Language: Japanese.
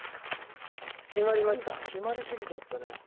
決まりすぎちゃったね。